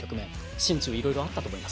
心中はいろいろあったと思います。